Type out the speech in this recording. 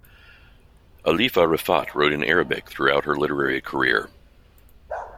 Alifa Rifaat wrote in Arabic throughout her literary career.